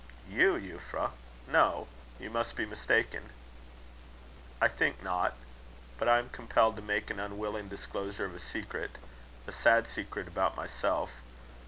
"You, Euphra? No. You must be mistaken." "I think not. But I am compelled to make an unwilling disclosure of a secret a sad secret about myself.